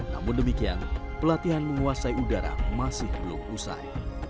namun demikian pelatihan menguasai udara masih belum usai